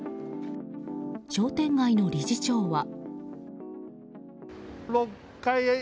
商店街の理事長は。